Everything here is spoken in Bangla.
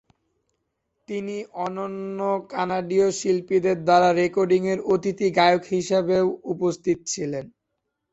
তিনি অন্যান্য কানাডীয় শিল্পীদের দ্বারা রেকর্ডিংয়ের অতিথি গায়ক হিসাবেও উপস্থিত ছিলেন।